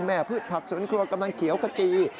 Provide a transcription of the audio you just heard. พืชผักสวนครัวกำลังเขียวขจี